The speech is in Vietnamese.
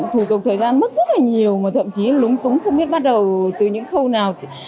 thủ tục thời gian mất rất là nhiều mà thậm chí lúng túng không biết bắt đầu từ những khâu nào